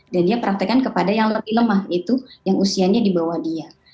dia praktekkan kepada yang lebih lemah itu yang usianya di bawah dia